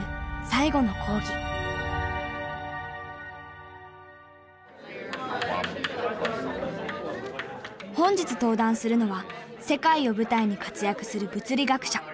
本日登壇するのは世界を舞台に活躍する物理学者